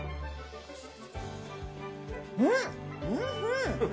うん！？